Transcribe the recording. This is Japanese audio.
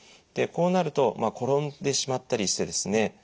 でこうなると転んでしまったりしてですね